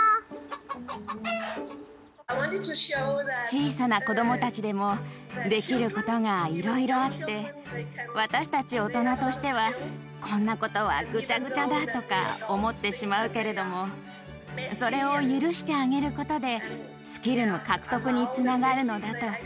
小さな子どもたちでもできることが、いろいろあって私たち大人としてはこんなことはぐちゃぐちゃだとか思ってしまうけれどもそれを許してあげることでスキルの獲得につながるのだと。